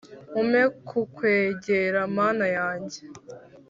Umpe kukwegera mana yanjye